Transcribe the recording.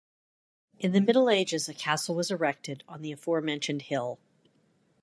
In the Middle Ages, a castle was erected on the aforementioned hill.